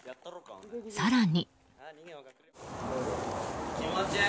更に。